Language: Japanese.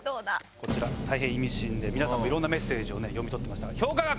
こちら大変意味深で皆さんもいろんなメッセージをね読み取ってましたが評価額